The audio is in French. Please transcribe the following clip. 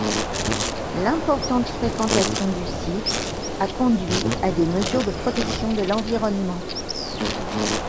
L'importante fréquentation du site a conduit à des mesures de protection de l'environnement.